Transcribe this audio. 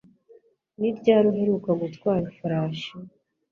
Ni ryari uheruka gutwara ifarashi